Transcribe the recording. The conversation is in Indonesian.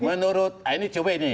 menurut ini cw nih